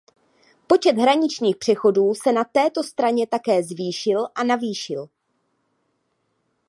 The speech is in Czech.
Počet hraničních přechodů se na této straně také zvýšil a navýšil.